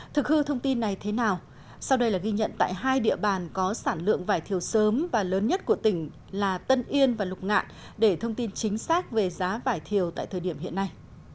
thực hư thông tin này thế nào sau đây là ghi nhận tại hai địa bàn có sản lượng vải thiều sớm và lớn nhất của tỉnh là tân yên và lục ngạn để thông tin chính xác về giá vải thiều tại thời điểm hiện nay